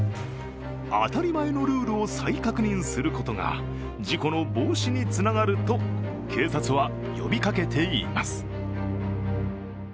当たり前のルールを再確認することが事故の防止につながると警察は呼びかけています。